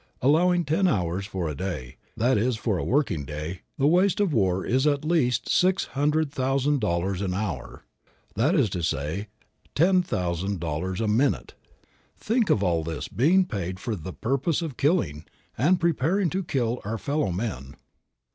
Allowing ten hours for a day, that is for a working day, the waste of war is at least six hundred thousand dollars an hour, that is to say, ten thousand dollars a minute. Think of all this being paid for the purpose of killing and preparing to kill our fellow men.